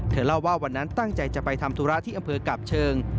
เล่าว่าวันนั้นตั้งใจจะไปทำธุระที่อำเภอกาบเชิง